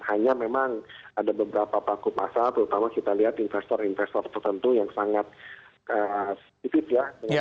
hanya memang ada beberapa paku pasar terutama kita lihat investor investor tertentu yang sangat sedikit ya